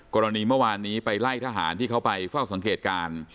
กรณีเมื่อวานนี้ไปไล่ทหารที่เขาไปเฝ้าสังเกตการณ์